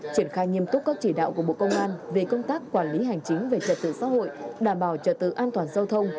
triển khai nghiêm túc các chỉ đạo của bộ công an về công tác quản lý hành chính về trật tự xã hội đảm bảo trật tự an toàn giao thông